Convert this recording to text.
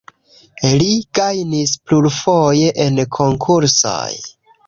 Li gajnis plurfoje en konkursoj.